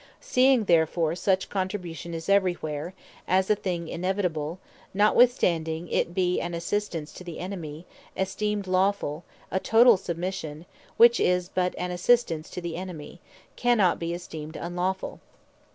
Seeing therefore such contribution is every where, as a thing inevitable, (notwithstanding it be an assistance to the Enemy,) esteemed lawfull; as totall Submission, which is but an assistance to the Enemy, cannot be esteemed unlawfull.